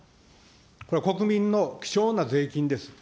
これは国民の貴重な税金です。